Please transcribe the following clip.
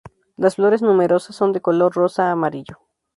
Las flores numerosas son de color rosa-amarillo.